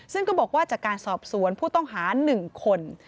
ซึ่งก็บอกว่าจากการสอบสวนผู้ต้องหา๑คน